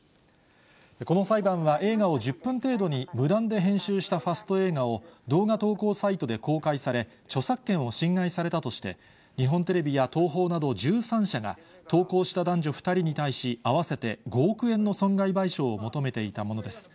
この裁判は映画を１０分程度に無断で編集したファスト映画を、動画投稿サイトで公開され、著作権を侵害されたとして、日本テレビや東宝など１３社が、投稿した男女２人に対し、合わせて５億円の損害賠償を求めていたものです。